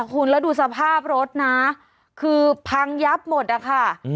คุณแล้วดูสภาพรถนะคือพังยับหมดอะค่ะ